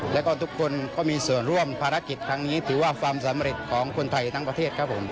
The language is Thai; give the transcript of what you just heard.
และทุกคนก็มีส่วนร่วมภารกิจที่ว่าความสำเร็จของคนไทยทั้งประเทศ